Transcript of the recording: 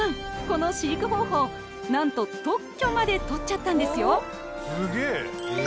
この飼育方法何と特許まで取っちゃったんですよ